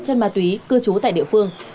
trên ma túy cư trú tại địa phương